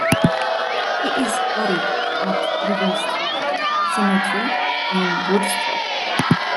He is buried at River Street Cemetery in Woodstock.